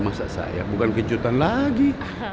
masa saya bukan kejutan lagi